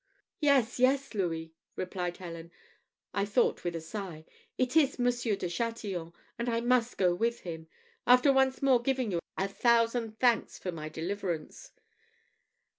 "Yes, yes, Louis," replied Helen I thought, with a sigh "it is Monsieur de Chatillon, and I must go with him after once more giving you a thousand thanks for my deliverance."